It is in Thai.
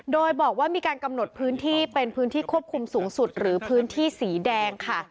โดยบอกว่ามีการกำหนดพื้นที่เป็นพื้นที่ควบคุมสูงสุดหรือพื้นที่สีแดงค่ะ